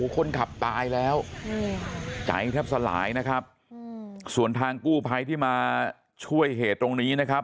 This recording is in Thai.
คนขับตายแล้วใจแทบสลายนะครับส่วนทางกู้ภัยที่มาช่วยเหตุตรงนี้นะครับ